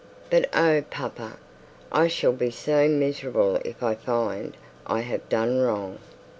But, oh, papa! I shall be so miserable if I find that I have done wrong.'